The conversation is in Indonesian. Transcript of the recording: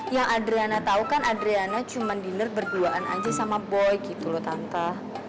yang adriana tau kan adriana cuma diner berduaan aja sama boy gitu loh tante